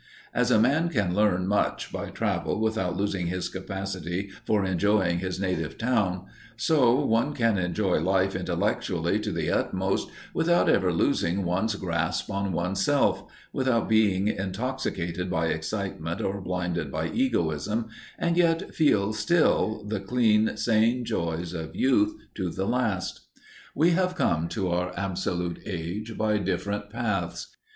As a man can learn much by travel without losing his capacity for enjoying his native town, so one can enjoy life intellectually to the utmost without ever losing one's grasp on one's self, without being intoxicated by excitement or blinded by egoism, and yet feel still the clean, sane joys of youth to the last. We have come to our Absolute Age by different paths.